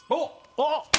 あっ！